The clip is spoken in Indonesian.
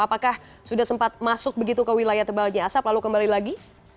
apakah sudah sempat masuk begitu ke wilayah tebalnya asap lalu kembali lagi